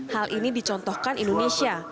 hal ini dicontohkan indonesia